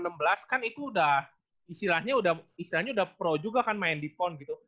yang di pon dua ribu enam belas kan itu udah istilahnya udah pro juga kan main di pon gitu